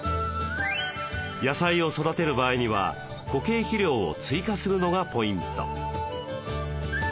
野菜を育てる場合には固形肥料を追加するのがポイント。